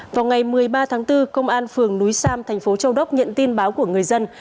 vào ngày một mươi ba tháng bốn công an phường núi sam thành phố châu đốc nhận tin báo của người dân